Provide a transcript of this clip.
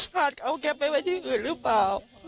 เอาแกไปไว้ที่อื่นหรือเปล่า